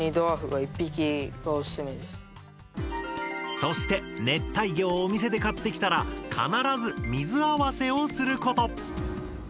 そして熱帯魚をお店で買ってきたら必ず「水合わせ」をすること。